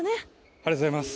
ありがとうございます。